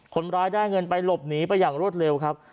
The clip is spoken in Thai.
คนร้ายได้เงินไปหลบหนีไปอย่างรวดเร็วครับ